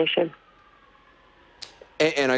dan kita hanya menunggu